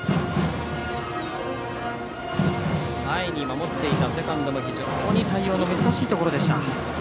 前に守っていたセカンドも非常に対応が難しいところでした。